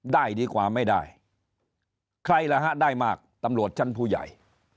ได้ดีกว่าไม่ได้ใครล่ะฮะได้มากตำรวจชั้นผู้ใหญ่